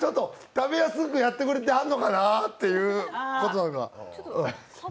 食べやすくやってくれてはるのかなってことやから。